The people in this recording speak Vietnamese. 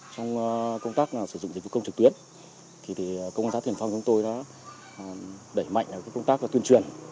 với công tác sử dụng dịch vụ công trực tuyến công an xã tiền phong đẩy mạnh công tác tuyên truyền